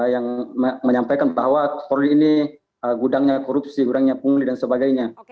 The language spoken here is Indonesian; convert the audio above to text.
yang menyampaikan bahwa polri ini gudangnya korupsi gudangnya pungli dan sebagainya